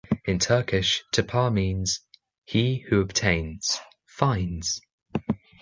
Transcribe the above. In Turkish, Tapar means "he who obtains, finds".